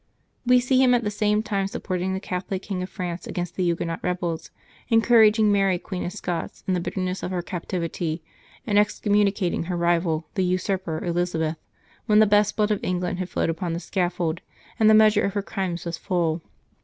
We see him at the same time supporting the Catholic King of France against the Huguenot rebels, encouraging Mary Queen of Scots, in the bitterness of her captivity, and ex communicating her rival the usurper Elizabeth, when the best blood of England had flowed upon the scaffold, and the measure of her crimes was full.